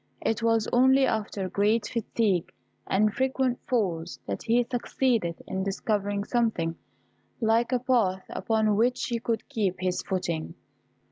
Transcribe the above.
It was only after great fatigue and frequent falls, that he succeeded in discovering something like a path upon which he could keep his footing.